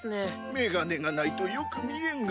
メガネがないとよく見えんが。